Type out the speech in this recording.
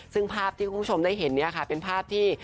ซึ่งภาพที่คุณผู้ชมได้เห็นเป็นภาพที่